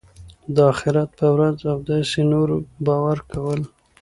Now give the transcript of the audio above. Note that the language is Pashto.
د آخرت په ورځ او داسي نورو باور کول .